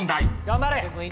頑張れ！